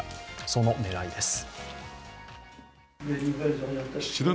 その狙いです。